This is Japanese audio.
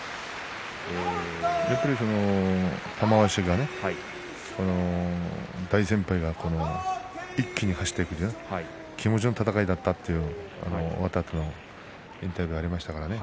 やっぱり玉鷲が大先輩方の一気に走っていく気持ちの闘いだったという終わったあとのインタビューがありましたからね。